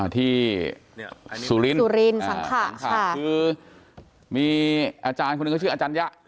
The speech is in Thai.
ที่สุรินทร์คือมีอาจารย์คนนึงเขาชื่ออาจารยะ